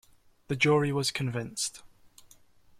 The jury was convinced.